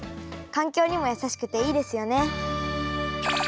環境にもやさしくていいですよね。